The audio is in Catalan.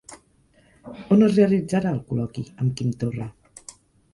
On es realitzarà el col·loqui amb Quim Torra?